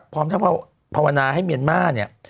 พร้อมทั้งภาวนาให้เมียนมาร์เนี่ย